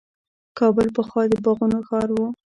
کابل پخوا د باغونو ښار و.